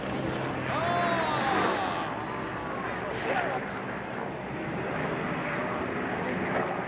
見りゃ分かるけどな。